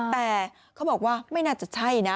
แต่เขาบอกว่าไม่น่าจะใช่นะ